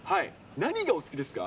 何がお好きですか？